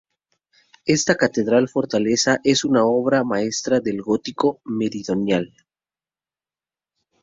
Esta catedral fortaleza es una obra maestra del gótico meridional.